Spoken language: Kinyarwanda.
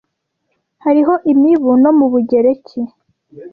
Hariho imibu no mu Bugereki.